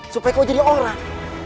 supaya kau jadi orang